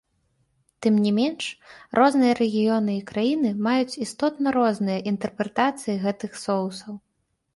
Тым не менш, розныя рэгіёны і краіны маюць істотна розныя інтэрпрэтацыі гэтых соусаў.